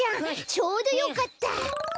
ちょうどよかった。